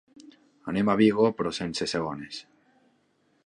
Anem a Vigo però sense segones.